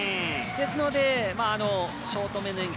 ですので、ショートめの演技。